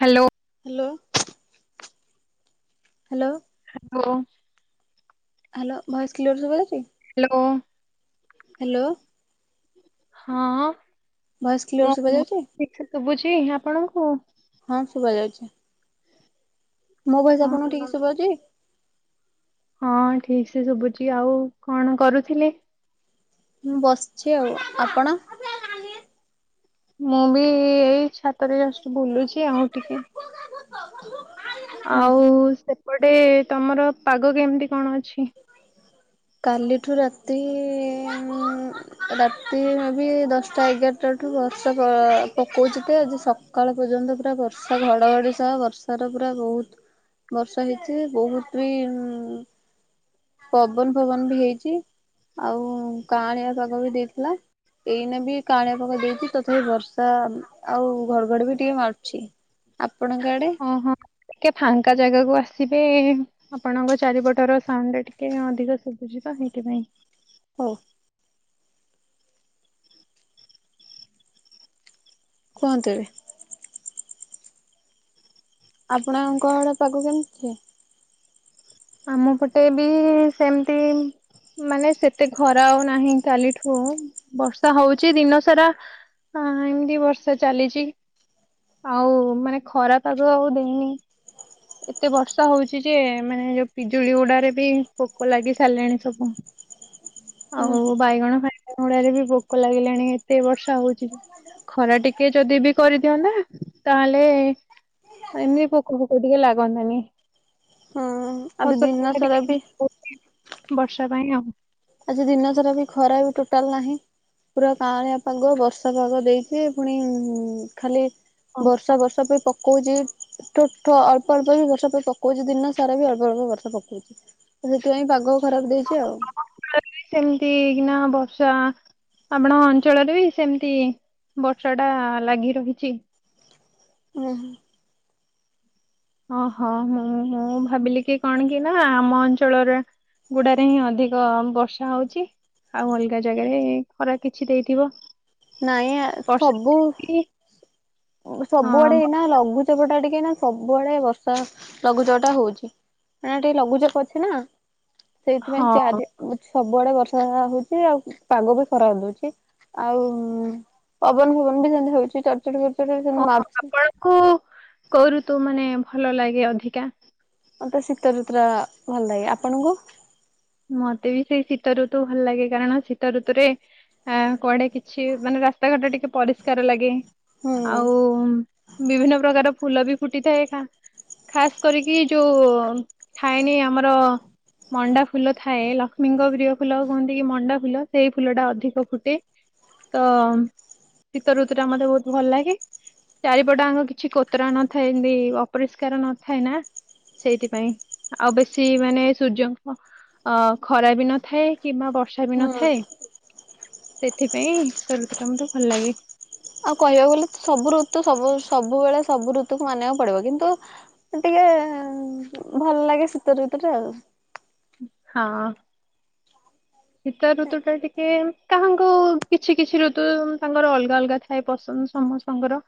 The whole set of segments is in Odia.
Hello. Hello hello. Hello. Hello voice clear ସୁବଜାଉଚି? ହ୍ୟାଲୋ। ହ୍ୟାଲୋ। ହଁଅଁ। ଭଏସ କ୍ଳିଅର ଶୁବା ଯାଉଚି? ସେ ସୁବୁଚି ଆପଣଙ୍କୁ? ହଁ ଶୁବା ଯାଉଚି। ମୋ ବୟସ ଆପଣଙ୍କୁ ହଁ। ଠିକ ଶୁବା ଯାଉଚି? ହଁ ଠିକ ସେ ଶୁବୁଚି। ଆଉ କଣ କରୁଥିଲେ? ମୁଁ ବସିଚି ଆଉ। ଆପଣ? ମୁଁ ବି ଏଇ ଛାତରେ ଜଷ୍ଟ ବୁଲୁଚି। ଆଉ ଟିକେ ଆଉ ସେପଟେ ତମର ପାଗ କେମିତି କଣ ଅଛି? କାଲିଠୁ ରାତିଇଇଇ ଉମ ରାତି ବି ଦଶଟା ଏଗାରଟା ଠୁ ବର୍ଷା ପକଉଚି ତ ଆଜି ସ କାଳ ପର୍ଯ୍ୟନ୍ତ ପୁରା ବର୍ଷା ଘଡ଼ଘଡ଼ି ସହ ବର୍ଷାର ପୁରା ବହୁତ ବର୍ଷା ହେଇଚି ଜେ ବହୁତ ବି ପବନ ଫବନ ବି ହେଇଚି ଆଉ କାଆଁଳିଆ ପାଗ ବି ଦେଇଥିଲା। ଏଇନା ବି କାଳିଆ ପଗ ଦେଇଚି ତଥାପି ବର୍ଷା ଆଉ ଘଡଘଡ ବି ଟିକେ ମାରୁଚି। ଆପଣଙ୍କ ଆଡେ? ଓହଁ ଟିକେ ଫାଙ୍କା ଜାଗାକୁ ଆସିବେ ଆପଣଙ୍କ ଚାରିପଟର ସାଉଣ୍ଡ ଟା ଟିକେ ଅଧିକ ସୁଭୁଚିତ ହେଇତି ପାଇଁ। ହୋଉ। କୁହନ୍ତୁ ଏବେ। ଆପଣଙ୍କଆଡେ ପଗ କେମିତି? ଆମ ପଟେ ବି ସେମତି ମାନେ ସେତେ ଖରା ଆଉ ନାହିଁ କାଲିଠୁ। ବର୍ଷା ହଉଚି ଦିନ ସାରା ଆଁ ଏମିତି ବର୍ଷା ଚାଲିଚି। ଆଉ ମାନେ ଖରା ପାଗ ଆଉ ଦେଇନି। ଏତେ ବର୍ଷା ହଉଚି ଯେ ମାନେ ଯୋଉ ପିଜୁଳି ଗୁଡାରେ ବି ପୋକ ଲାଗି ସାରିଲଣି ସବୁ। ହ ଆଉ ବାଇଗଣ ଫାଇଗଣ ଉଡ଼ାରେ ବି ପୋକ ଲାଗିଲାଣି ଏତେ ବର୍ଷା ହଉଚି ବି। ଖରା ଟିକେ ଯଦି ବି କରିଦିଅନ୍ତା ତାହେଲେ ଏମିତି ପୋକ ଫୋକ ଟିକେ ଲାଗନ୍ତେନି ହଁ ଆବେ ଦିନ ସାରା ବି [unintelligible] ବର୍ଷା ପାଇଁ ଆଉ। ଆଜି ଦିନ ସାରା ବି ଖରା ବି ଟୋଟାଲ ନାହିଁ। ପୁରା ପାଁଳିଆ ପାଗ ବର୍ଷା ପାଗ ଦେଇଛି ପୁଣି ଖାଲି ହଁ, ବର୍ଷା ବର୍ଷା ବି ପ ପକଉଛି ଠୋଠ ଅଳ୍ପ ଅଳ୍ପ ବି ବର୍ଷା ପକାଉଛି ଦିନ ସାରା ବି ଅଳ୍ପ ଅଳ୍ପ ବର୍ଷା ପକଉଛି। ତ ସେଥିପାଇଁ ପାଗ ଖରାପ ଦେଇଛି ଆଉ। ସେମିତି କିନା ବର୍ଷା ଆପାଣଙ୍କ ଅଞ୍ଚଳରେ ବି ସେମିତି ବର୍ଷା ଟା ଲାଗି ରହିଛି। ହୁଁ ହୁ। ଓହୋ ମୁଁ ମୁଁ ଭାବିଲି କି କଣ କି ନା ଆମ ଅଞ୍ଚଳରେ ଗୁଡାରେ ହିଁ ଅଧିକ ବର୍ଷା ହଉଛି। ଆଉ ଅଲଗା ଜାଗାରେ ଖରା କିଛି ଦେଇଥିବ। ନାଇଁ ବର୍ଷା ସବୁ ହଉଛି। ହଁ ସବୁଆଡେ ଏଇନା ଲଘୁ ଲଘୁଚପଟା ଟିକେ ନା ସବୁବେଳେ ବର୍ଷା ଲଘୁଚାପ ଟା ହଉଛି ନା ଟିକେ ଲଘୁଚାପ ଅଛି ନା। ସେଇଥିପାଇଁ ହଁ ସେ ଆଜି ସବୁଆଡେ ବର୍ଷା ହଉଛି ଆଉ ପାଗ ବି ଖରାପ ଦଉଛି ଆଉ ହୁଁ ପବନ ଫବନ ବି ସେମିତି ହଉଛି ଚଡଚଡ଼ି ଫଡଚଡ଼ି ବି ସେମିତି ମାରୁଛି। କୁ କୋଉ ଋତୁ ମାନେ ଭଲ ଲାଗେ ଅଧିକା। ମତେ ଶୀତ ଋତୁ ଟା ଭଲ ଲାଗେ ଆପଣଙ୍କୁ। ମତେ ବି ସେଇ ଶୀତ ଋତୁ ଭଲ ଲାଗେ କାରଣ ଶୀତ ଋତୁରେ ହଁ କୁଆଡେ କିଛି ମାନେ ରାସ୍ତାଘାଟା ଟିକେ ପରିଷ୍କାର ଲାଗେ। ହୁଁ ଆଉ ବିଭିନ୍ନ ପ୍ରକାର ଫୁଲ ବି ଫୁଟିଥାଏ ଏକା ଖାସ୍ କରିକି ଯୋଉ ଥାଏନି ଆମର ମଣ୍ଡା ଫୁଲ ଥାଏ ଲକ୍ଷ୍ମୀଙ୍କ ପ୍ରିୟ ଫୁଲ କୁହନ୍ତି କି ମଣ୍ଡା ଫୁଲ ସେଇ ଫୁଲ ଟା ଅଧିକ ଫୁଟେ। ତ ଶୀତ ଋତୁ ଟା ମତେ ବହୁତ ଭଲ ଲାଗେ। ଚାରିପଟ ଆଙ୍କ କିଛି କୋତରା ନଥାଏ ଏମିତି ଅପରିଷ୍କାର ନଥାଏ ନା। ସେଇଥିପାଇଁ ଆଉ ବେଶୀ ମାନେ ସୂର୍ଯ୍ୟଙ୍କ ଅ ଖରା ବି ନଥାଏ କିମ୍ବା ବର୍ଷା ବି ହୁଁ ନଥାଏ। ସେଥିପାଇଁ ସିତ ଋତୁଟା ମତେ ଭଲ ଲାଗେ। ଆଉ କହିବାକୁ ଗଲେ ସବୁ ଋତୁ ସବୁ ସବୁବେଳେ ସବୁ ଋତୁକୁ ମାନିବାକୁ ପଡିବ କିନ୍ତୁ ଟିକେ ଭଲ ଲାଗେ ଶୀତଋତଟା ଆଉ। ହଁ। ଶୀତ ଋତୁ ଟା ଟିକେ କାହାଙ୍କୁ କିଛି କିଛି ଋତୁ ତାଙ୍କର ଅଲଗା ଅଲଗା ଥାଏ ପସନ୍ଦ ସମସ୍ତ ଙ୍କର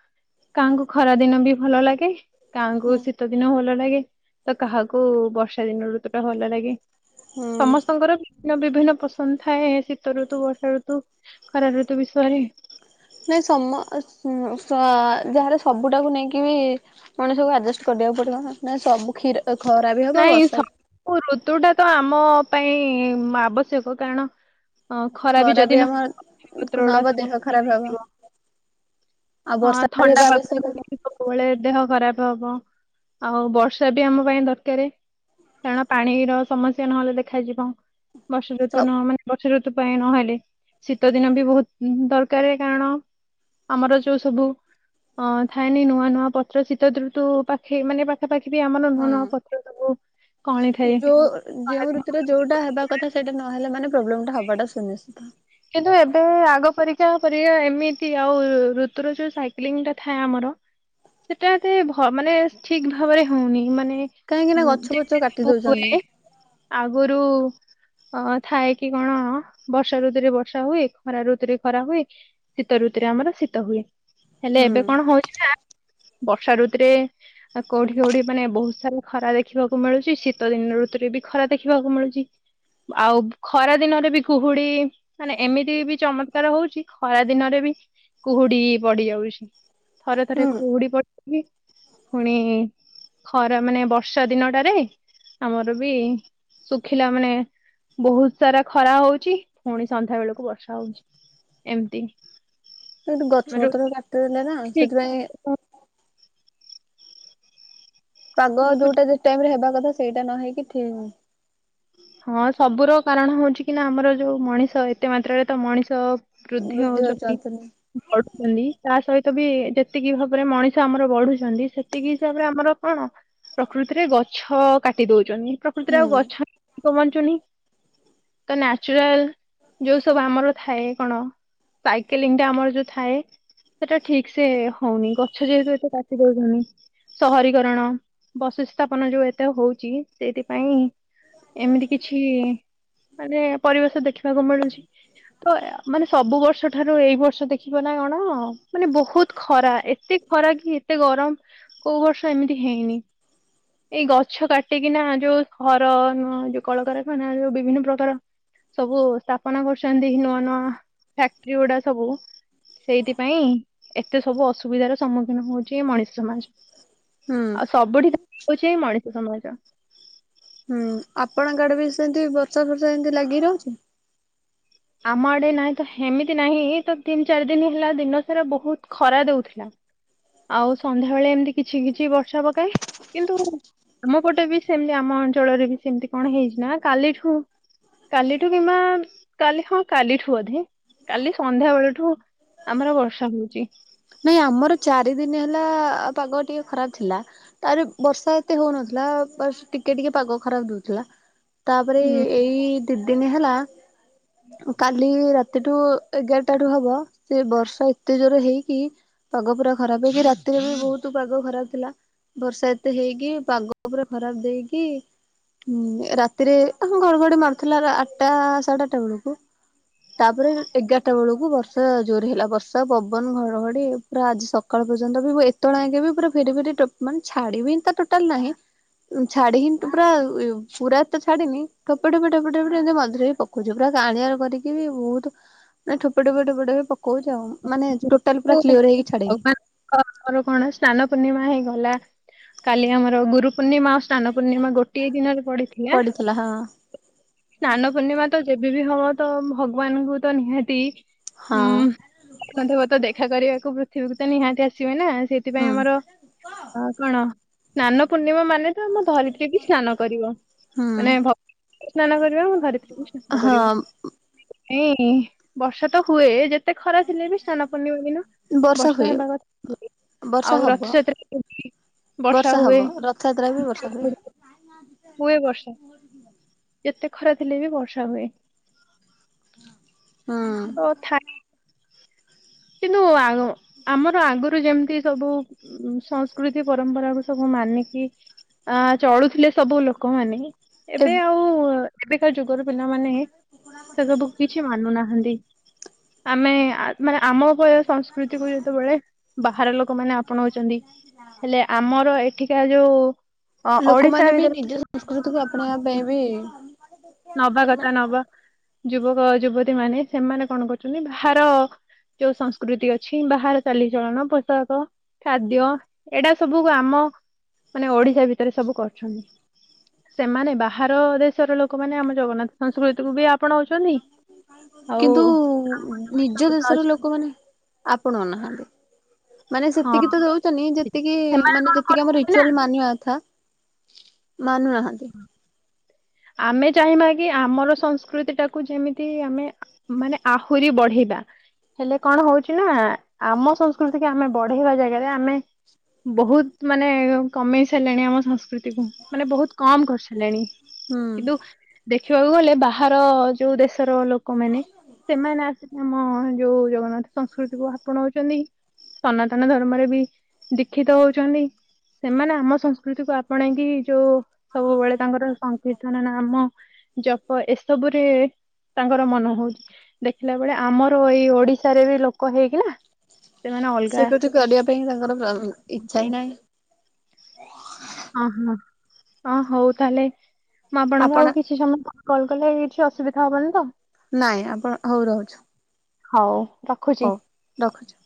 କାହାଙ୍କୁ ଖରା ଦିନ ବି ଭଲ ଲାଗେ କାହାଙ୍କୁ ଶୀତ ଦିନ ଭଲ ଲାଗେ। ତ କାହାକୁ ବର୍ଷା ଦିନ ଋତୁ ଟା ଭଲ ଲାଗେ ହୁଁ ସମସ୍ତଙ୍କର ବିଭିନ୍ନ ବିଭିନ୍ନ ପସନ୍ଦ ଥାଏ ଶୀତ ଋତୁ ବର୍ଷା ଋତୁ ଖରା ଋତୁ ବିଷରେ। ନାଇଁ ସମ ଯାହାର ସବୁଟାକୁ ନେଇକି ବି ମଣିସବକୁ ଆଡଜଷ୍ଟ କରିବାକୁ ପଡିବଁ ସବୁୀର ଖରା ବି ହବ ନାଇଁ ବର୍ଷା ବି। ସବୁ ଋତୁ ଟା ତ ଆମ ପାଇଁ ଆବଶ୍ୟକ କାରଣ ହଁ ଖରା ବି ଯଦି ନ ପତ୍ର ଗୁଡା ନହବ ସବୁ ଦେହ ଖରାପ ହବ ହେଇଯିବ। ଆଉ ହଁ ବର୍ଷା ବି ଥଣ୍ଡା ହେବା ଆବଶ୍ୟକ [unintelligible] ସବୁବେଳେ ଦେହ ଖରାପ ହବ ଆଉ ବର୍ଷା ବି ଆମ ପାଇଁ ଦରକାର। କାରଣ ପାଣିର ସମସ୍ୟା ନହେଲେ ଦେଖାଯିବ ବର୍ଷା ଋତୁ ନହ ମାନେ ବର୍ଷା ଋତୁ ପାଇଁ ନହେଲେ ଶୀତ ଦିନ ବି ବହୁତ ଦରକାର କାରଣ ଆମର ଯଉ ସବୁ ଥାଏନି ନୂଆ ନୂଆ ପତ୍ର ଶୀତ ଋତୁ ପା ସେ ମାନେ ପାଖାପାଖି ବି ଆମର ନୂଆ ହଁ ନୂଆ ପତ୍ର ସବୁ କଳି ଥାଏ ଯୋଉ ଯେଉଁ ଖରାଦିନ ମାନଙ୍କରେ। ଋତୁରେ ଯୋଉଟା ହେବା କଥା ସେଇଟା ନହଲେ ମାନେ ପ୍ରୋବ୍ଲେମ ଟା ହବାଟା ସୁନିଶ୍ଚିତ। କିନ୍ତୁ ଏବେ ଆଗ ପରିକା ପର ଏମିତି ଆଉ ଋତୁର ଯୋଉ ସାଇକ୍ଲିଂ ଟା ଥାଏ ଆମର ସେଟା ଏତେ ମାନେ ଠିକ ଭାବରେ ହଉନି ମାନେ କାହିଁକି ନା ଗଛ ଫଛ ଯେମତି କାଟି ସବୁ ଦଉଛନ୍ତି ହୁଏ। ଆଗରୁ ଅ ଥାଏ କି କଣ ବର୍ଷା ରୁ ଋତୁରେ ବର୍ଷା ହୁଏ ଖରା ଋତୁରେ ଖରା ହୁଏ ଶୀତ ଋତୁରେ ଆମର ଶୀତ ହୁଏ। ହେଲେ ହୁଁ ଏବେ କଣ ହଉଛି ନା ବର୍ଷା ଋତୁରେ ଆଉ କୋଉଠି କଉଠି ମାନେ ବହୁତ ସାରା ଖରା ଦେଖିବାକୁ ମିଳୁଛି ଶୀତ ଦିନ ଋତୁରେ ବି ଖରା ଦେଖିବାକୁ ମିଳୁଛି। ଆଉ ଖରା ଦିନରେ ବି କୁହୁଡି ମାନେ ଏମିତି ବି ଚମତ୍କାର ହଉଛି ଖରା ଦିନରେ ବି କୁହୁଡି ପଡିଯାଉଛି। ଥରେ ହୁଁ ଥରେ ଖୁଉଡି ପଡିି ପୁଣି ଖରା ମାନେ ବର୍ଷା ଦିନଟାରେ ଆମର ବି ଶୁଖିଲା ମାନେ ବହୁତ ସାରା ଖରା ହଉଛି। ପୁଣି ସନ୍ଧ୍ୟା ବେଳକୁ ବର୍ଷା ହଉଛି ଏମିତି ତ ଏଠି ଗଛ ମାନେ ପତ୍ର କାଟିଦେଲେ ନା ସେଥିପାଇଁ ପାଗ ଯୋଉଟା ଯୋଉ ଟାଇମ ରେ ହେବା କଥା ସେଇଟା ନ ହେଇକି ଠିକଁ ହଁ ସବୁର କାରଣ ହଉଛି କି ନା ଆମର ଯୋଉ ମଣିଷ ଏତେ ମାତ୍ରାରେ ତ ମଣିଷ ବୃଦ୍ଧି ହଉଛନ୍ତି। ବଢୁଛନ୍ତି ତା ସହିତ ବି ଯେତିକି ଭାବରେ ମଣିଷ ଆମର ବଢୁଛନ୍ତି ସେତିକି ହିସାବରେ ଆମର କଣ ପ୍ରକୃତିରେ ଗଛ କାଟି ଦଉଛନ୍ତିଛନ୍ତି ପ୍ରକୃତିରେ ହୁଁ ଆଉ ଗଛ କମଚୁନି। ତ ନ୍ୟାଚୁରାଲ ଯୋଉ ସବୁ ଆମର ଥାଏ କଣ ସାଇକେଲିଂ ଟା ଆମର ଯୋଉ ଥାଏ ସେଟା ଠିକ୍ ସେ ହଉନି ଗଛ ଯେହେତୁ ଏତେ କାଟି ଦଉଚନ୍ତି। ସହରୀକରଣ ବସୁସ୍ଥାପନ ଯୋଉ ଏତେ ହଉଛି ସେଇଥିପାଇଁ ଏମିତି କିଛି ମାନେ ପରିବେଶ ଦେଖିବାକୁ ମିଳୁଛି। ତ ମାନେ ସବୁ ବର୍ଷ ଠାରୁ ଏଇ ବର୍ଷ ଦେଖିବ ନା କଣ ମାନେ ବହୁତ ଖରା ଏତେ ଖରାକ ଏତେ ଗରମ କୋଉ ବର୍ଷ ଏମିତି ହେଇନି। ଏଇ ଗଛ କାଟିକିନା ଯୋଉ ଘର ନୁହ ଉ ଯୋଉ କଳକାରଖାନା ଯୋଉ ବିଭିନ୍ନ ପ୍ରକାର ସବୁ ସ୍ଥାପନ କରୁଛନ୍ତି ନୂଆ ନୂଆ ଫ୍ୟାକ୍ଟ୍ରି ଗୁଡା ସବୁ ସେଇଥିପାଇଁ ଏତେ ସବୁ ଅସୁବିଧାର ସମ୍ମୁଖୀନ ହଉଛି ମଣିଷ ସମାଜ। ହୁଁ ଆଉ ସବୁଠି ହଉଛିଇ ମଣିଷ ସମାଜ। ଆପଣଙ୍କାଡେ ବି ସେମିତି ବର୍ଷା ଫର୍ଷା ଏମିତି ଲାଗି ରହୁଛି? ଆମ ଆଡ଼େ ନାହିଁ ତ ଏମିତି ନାହିଁ ତ ତିନି ଚାରି ଦିନ ହେଲା ଦିନସାରା ବହୁତ ଖରା ଦଉଥିଲା। ଆଉ ସନ୍ଧ୍ୟାବେେଳେ ଏମିତି କିଛି କିଛି ବର୍ଷା ପକାଏ କିନ୍ତୁ ଆମ ପଟେ ବି ସେମତି ଆମ ଅଞ୍ଚଳରେ ବି ସେମିତି କଣ ହେଇଛି ନା କାଲିଠୁ କାଲିଠୁ କିମା। କାଲି ହଁ କାଲିଠୁ ବୋଧେ କାଲି ସନ୍ଧ୍ୟା ବେଳଠୁ ଆମର ବର୍ଷା ହଉଛି। ନାଇଁ ଆମର ଚାରି ଦିନ ହେଲା ପାଗ ଟିକେ ଖରାପ ଥିଲା। ତାରେ ବର୍ଷା ଏତେ ହଉନଥିଲା ବସ୍ ଟିକେ ଟିକେ ପାଗ ଖରାପ ଦଉଥିଲା। ତାପରେ ଉଁ, ଏଇ ଦି ଦିନ ହେଲା କାଲ୍ ଖାଲି ରାତିଠୁ ଏଗାରଟା ରୁ ହବ ସେ ବର୍ଷା ଏତେ ଜୋର ହେଇକି ପାଗ ପୁରା ଖରାପ ହେଇକି ରାତିରେ ବି ବହୁତ ପାଗ ଖରାପ ଥିଲା। ବର୍ଷା ଏତେ ହେଇକି ପାଗ ପୁର ଖରାପ ଦେଇକି ହୁଁ ରାତିରେ ଘଡଘଡି ମାରୁଥିଲା ଆଠଟା ସାଢେ ଆଠଟା ବେଳକୁ ତାପରେ ଏଗାରଟା ବେଳକୁ ବର୍ଷା ଜୋର ହେଲା ବର୍ଷା ପବନ ଘଡଘଡି ପୁରା ଆଜି ସକାଳ ପର୍ଯ୍ୟନ୍ତ ବି ମୁ ଏତେବେଳେ ଆେ ବି ପୁରା ଫେରି ଫେରିାନେ ଛାଡିବି ଟୋଟାଲ ନାହିଁ। ଛାଡି ହି ପୁରା ପୁରା ଏ ତ ଛାଡିନି ଟୋପେ ଟୋପେ ଟୋପେ ଏମିତି ମଝିରେ ପ ପକୁଛୁ ପୁରା କାଆଁଳିଆ କରିକି ବି ବହୁତ ମାନେ ଠୋପେଠୋପେ ପ କହୁଚ ମାନେ ଟୋଟାଲ ପୁରା କ୍ଲିୟର ହେଇକି ଛାଡିନି। ଭଗବାନ ଆମର କଣ ସ୍ନାନ ପୂର୍ଣ୍ଣିମା ହେଇଗଲା କାଲି ଆମର ଗୁରୁ ପୂର୍ଣ୍ଣିମା ଅସ୍ ଶ୍ନାନ ପୂର୍ଣ୍ଣିମା ଗୋଟିଏ ଦିନରେ ପଡିଥିଲା। ଥିଲା ହଁ। ସ୍ନାନ ପୂର୍ଣ୍ଣିମା ତ ଯେବେ ବିି ହବ ତ ଭଗବାନଙ୍କୁ ତ ନିହାତି ହଁ ହୁଁ [unintelligible] ଦେଖା କରିବାକୁ ପୃଥିବୀକୁ ତ ନିହାତି ଆସିବେ ନା। ଆ ସେଥିପାଇଁ ହୁଁ ଆମର ଅ କଣ ସ୍ନାନ ପୂର୍ଣ୍ଣିମା ମାନେ ତ ଆମ ଧରିତ୍ରୀକି ସ୍ନାନ କରିବ ହୁଁ ମାନେ ଭ ସ୍ନାନ କରିବା ମୁ ଧରିତ୍ରୀ ବି ସ୍ନାନ କରିବ। ହଁ ନାଇଁ ବର୍ଷା ତ ହୁଏ ଯେ ଏତେ ଖରା ଥିଲେ ବି ସ୍ନାନ ପୂର୍ଣ୍ଣିମା ଦିନ ବର୍ଷା ହେବା କଥା ହୁଏ। ବର୍ଷା ଆଉ ହବ। ରଥଯାତ୍ରାରେ ବି ବର୍ଷା ହବ ହୁଏ। ରଥଯାତ୍ରା ବି ବର୍ଷା ହୁଏ ହୁଏ ଵର୍ଷା। ଯେତେ ଖରା ଥିଲେ ବି ବର୍ଷା ହୁଏ। ହଁ ତ ଥାଏ। କିନ୍ତୁ ଆ ଆମର ଆଗରୁ ଯେମିତି ସବୁ ସଂସ୍କୃତି ପରମ୍ପରା କୁ ସବୁ ମାନିକି ଆ ଚଳୁଥିଲେ ସବୁ ଲୋକମାନେ ଏବେ ଆଉ ଏବେକା ଯୁଗର ପିଲାମାନେ ସେ ସବୁ କିଛି ମାନୁନାହାନ୍ତି ଆମେ ମାନେ ଆମ ବେଳ ସଂସ୍କୃତିକୁୁ ଯେତେବେଳେ ବାହାର ଲୋକମାନେ ଆପଣାଉଛନ୍ତି ହେଲେ ଆମର ଏଠିକା ଯୋଉ ହଁ ଓଡିଶା ଭିତରେ ସଂସ୍କୃତକୁ ଆପଣେଇବା ପାଇଁ ବି ନବା କଥା ନବା ଯୁବକ ଯୁବତୀ ମାନେ ସେମାନେ କଣ କରୁଛନ୍ତି ବାହାର ଯୋଉ ସଂସ୍କୃତି ଅଛି ବାହାରେ ଚାଲିଚଳନ ପୋଷାକ। ଖାଦ୍ୟ ଏଇଡା ସବୁ ଆମ ମାନେ ଓଡିଶା ଭିତରେ ସବୁ କରୁଛନ୍ତି। ସେମାନେ ବାହାର ଦେଶର ଲୋକମାନେ ଆମ ଜଗନ୍ନାଥ ସଂସ୍କୃତିକୁୁ ବି ଆପଣାଉଛନ୍ତି। ଆଉ କିନ୍ତୁ ଆମ ଯୋଉ ନିଜ ବେଶଭୂଷା ଦେଶର ଅଛି ଲୋକମାନେ ଆପନୋଉନାହାନ୍ତି। ମାନେ ହଁ ସେତିକି ତ ଦଉଛନି ଯେତିକି ସେମାନେ ମାନେ କଣ ଯେତିକି ଆମ କରୁଛନ୍ତି ନା ରିଚୁଆଲ ମାନିବା କଥା ମାନୁ ନାହାନ୍ତି। ଆମେ ଚାହିଁବା କି ଆମର ସଂସ୍କୃତିଟାକୁ ଯେମିତି ଆମେ ମାନେ ଆହୁରି ବଢେଇବା। ହେଲେ କଣ ହଉଛି ନା ଆମ ସଂସ୍କୃତି କି ଆମେ ବଢେଇବା ଜାଗାରେ ଆମେ ବହୁତ ମାନେ କମେଇ ସାରିଲାଣି ଆମ ସଂସ୍କୃତି କୁ ମାନେ ବହୁତ କମ୍ କରିସାରିଲେଣି ହୁଁ କିନ୍ତୁ ଦେଖିବାକୁ ଗଲେ ବାହାର ଯୋଉ ଦେଶର ଲୋକମାନେ ସେମାନେ ଆସ ଆମ ଯୋଉ ଜଗନ୍ନାଥ ସଂସ୍କୃତି କୁ ଆପଣାଉଛନ୍ତି। ସନାତନ ଧର୍ମରେ ବି ଦୀକ୍ଷିତ ହଉଛନ୍ତି। ସେମାନେ ଆମ ସଂସ୍କୃତିକୁୁ ଆପଣେଇକି ଯୋଉ ସବୁବେଳେ ତାଙ୍କର ସନ୍ [unintelligible] ନା ନାମ ଜପ ଏସବୁରେ ତାଙ୍କର ମନ ହଉଛି। ଦେଖିଲା ବେଳେ ଆମର ଏଇ ଓଡିଶାରେ ବି ଲୋକ ହେଇଗଲା। ସ୍ଵିକୃତି କରିବା ପାଇଁ ତାଙ୍କର ହଁ ଇଚ୍ଛା ହିଁ ନାହିଁ। ଓହୋ ଅ ହଉ ତାହେଲେ ମୁଁ ଆପଣଙ୍କୁ ଆପଣ ଆଉ କିଛି ସମୟ କଲ୍ କଲେ କିଛି ଅସୁବିଧା ହବନି ତ? ନାଇଁ ଆପଣ ହଉ ରହୁଛୁ। ହଉ। ରଖୁଛି। ହଉ ରଖୁଛି।